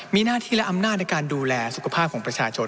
มีหน้าที่และอำนาจในการดูแลสุขภาพของประชาชน